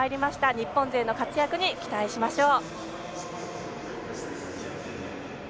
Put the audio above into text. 日本勢の活躍に期待しましょう。